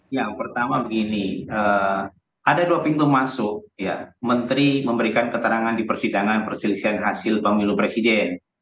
yang pertama begini ada dua pintu masuk menteri memberikan keterangan di persidangan perselisihan hasil pemilu presiden